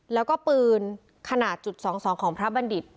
แล้วก็ปืนขนาดจุด๒๒ของพระบัณฑิต